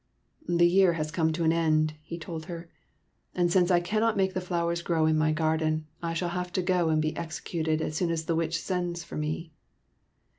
'' The year has come to an end/' he told her, " and since I cannot make the flowers grow in my garden, I shall have to go and be executed as soon as the Witch sends for me."